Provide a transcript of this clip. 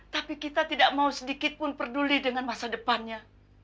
tapi kita tidak mau sedikitpun peduli dengan masa depannya